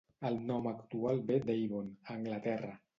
El nom actual ve d'Avon, a Anglaterra.